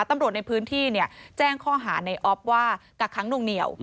ตำรวจในพื้นที่แจ้งข้อหาในออฟว่ากักค้างนวงเหนียว